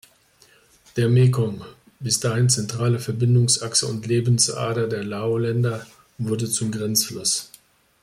Der Mekong, bis dahin zentrale Verbindungsachse und Lebensader der Lao-Länder, wurde zum Grenzfluss.